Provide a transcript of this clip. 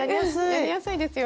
やりやすいですよね。